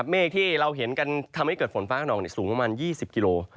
เมฆที่เราเห็นกันทำให้เกิดฝนฟ้าขนองสูงประมาณ๒๐กิโล